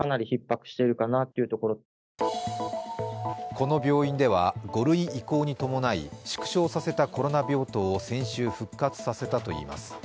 この病院では５類移行に伴い縮小させたコロナ病棟を先週復活させたといいます。